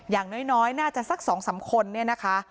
อย่างน้อยน่าจะสัก๒๓คนเนี่ยนะคะ